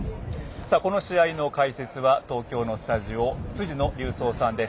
この試合の解説は東京のスタジオ辻野隆三さんです。